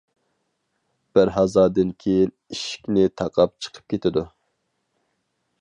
بىر ھازادىن كېيىن ئىشىكنى تاقاپ چىقىپ كېتىدۇ.